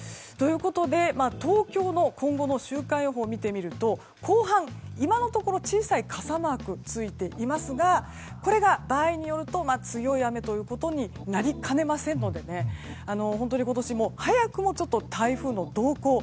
ということで、東京の今後の週間予報を見てみると後半、今のところ小さい傘マークがついていますがこれが場合によると強い雨になりかねませんので本当に今年も早くも台風の動向